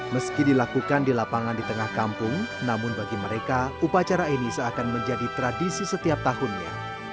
meski dilakukan di lapangan di tengah kampung namun bagi mereka upacara ini seakan menjadi tradisi setiap tahunnya